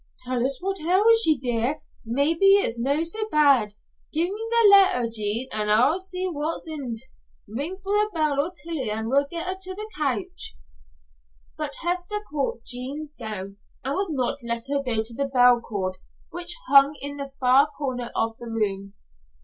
"Tell us what ails ye, dear; maybe it's no so bad. Gie me the letter, Jean, an' I'll see what's intil't. Ring the bell for Tillie an' we'll get her to the couch." But Hester caught Jean's gown and would not let her go to the bell cord which hung in the far corner of the room.